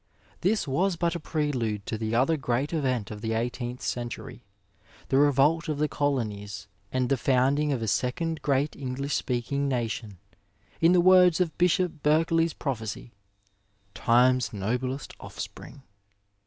This was but a prelude to the other great event of the eighteenth century : the revolt of the colonies and the founding of a second great English speaking nation — ^in the words of Bishop Berkeley's prophecy, '^ Time's noblest offspring."